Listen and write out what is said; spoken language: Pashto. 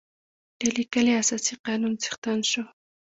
د لیکلي اساسي قانون څښتن شو.